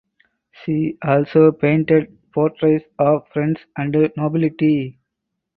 She also painted portraits of friends and nobility.